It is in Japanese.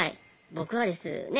僕はですね